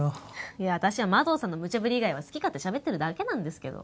いや私は麻藤さんのむちゃぶり以外は好き勝手喋ってるだけなんですけど。